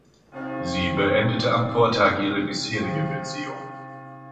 Sie beendete am Vortag ihre bisherige Beziehung.